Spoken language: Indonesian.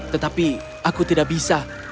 tetapi aku tidak bisa